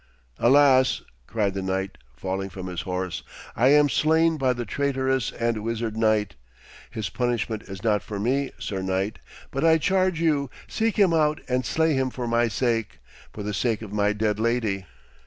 'Alas!' cried the knight, falling from his horse, 'I am slain by the traitorous and wizard knight. His punishment is not for me, sir knight, but I charge you, seek him out and slay him for my sake, and for the sake of my dead lady.'